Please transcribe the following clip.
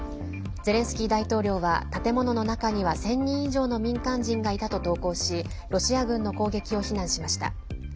ゼレンスキー大統領は建物の中には１０００人以上の民間人がいたと投稿しロシア軍の攻撃を非難しました。